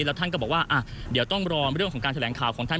แล้วท่านก็บอกว่าเดี๋ยวต้องรอเรื่องของการแถลงข่าวของท่าน